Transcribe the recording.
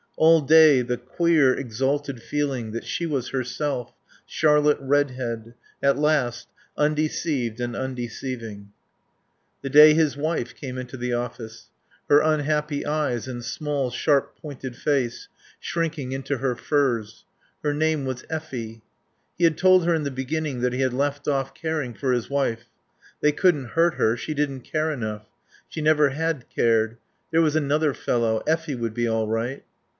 All day the queer, exalted feeling that she was herself, Charlotte Redhead, at last, undeceived and undeceiving. The day his wife came into the office. Her unhappy eyes and small, sharp pointed face, shrinking into her furs. Her name was Effie. He had told her in the beginning that he had left off caring for his wife. They couldn't hurt her; she didn't care enough. She never had cared. There was another fellow. Effie would be all right.